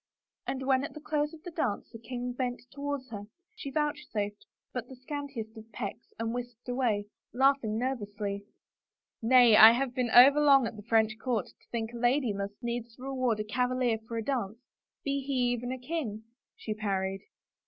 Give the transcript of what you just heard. And when at the close of the dance, the king bent toward her, she vouchsafed but the scan tiest of pecks and whisked back, laughing nervously. Nay — I have been overlong at the French court to think a lady must needs reward a cavalier for a dance — be he even a king !" she parried.